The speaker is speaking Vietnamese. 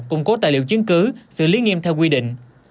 củng cố tài liệu chứng cứ xử lý nghiêm theo quy định